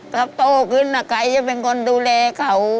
ถ้าโตขึ้นใครจะเป็นคนดูแลเขา